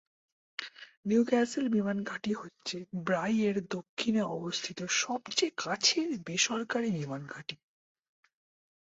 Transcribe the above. Newcastle বিমানঘাঁটি হচ্ছে ব্রাই এর দক্ষিণে অবস্থিত সবচেয়ে কাছের বেসরকারি বিমানঘাঁটি।